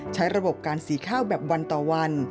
ใช้ระบบการสีข้าวแบบวันต่อวัน